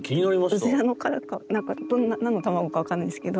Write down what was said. ウズラの殻か何の卵か分かんないですけど。